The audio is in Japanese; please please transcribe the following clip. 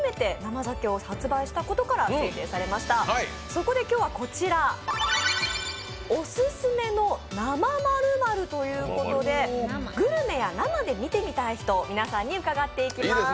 そこで今日はオススメの生○○ということでグルメや生で見てみたい人皆さんに伺っていきます。